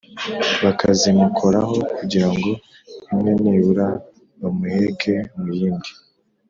bakazimukozaho kugira ngo imwe nibura bamuheke mu yindi